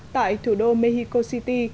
tại thủ đô mexico city